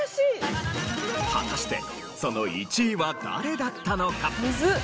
果たしてその１位は誰だったのか？